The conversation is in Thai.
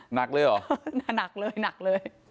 หนักเลยเหรอหนักเลยหนักเลย